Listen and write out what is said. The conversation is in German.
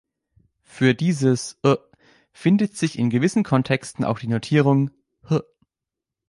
Für dieses "ə" findet sich in gewissen Kontexten auch die Notierung "h̥".